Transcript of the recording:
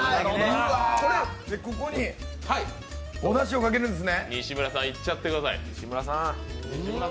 ここにおだしをかけるんですね。